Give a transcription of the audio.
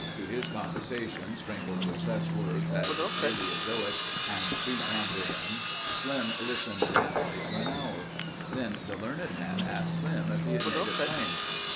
To his conversation sprinkled with such words as Paleozoic and pre Cambrian Slim listened raptly for an hour. Then the learned man asked Slim if he had made it plain.